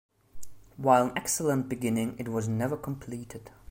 While an excellent beginning, it was never completed.